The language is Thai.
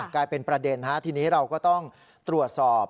กลายเป็นประเด็นทีนี้เราก็ต้องตรวจสอบ